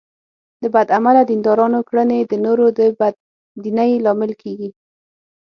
د بد عمله دیندارانو کړنې د نورو د بې دینۍ لامل کېږي.